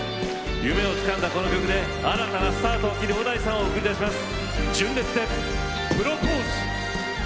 夢をつかんだ、この曲で新たなスタートを切る小田井さんを送り出します。